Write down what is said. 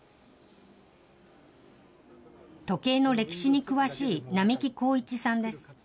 時計の歴史の詳しい並木浩一さんです。